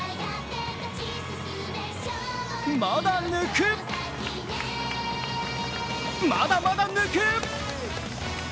まだ抜く、まだまだ抜く。